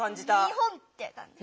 日本って感じ。